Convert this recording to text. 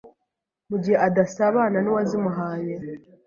mugihe adasabana n’uwazimuhaye.